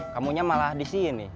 kamunya malah di sini